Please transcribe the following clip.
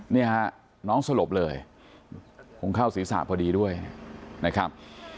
เนี่ยฮะน้องสลบเลยคงเข้าศีรษะพอดีด้วยนะครับ